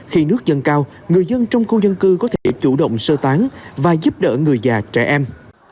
khi nước dâng cao người dân trong khu dân cư có thể chủ động sơ tán và giúp đỡ người già trẻ em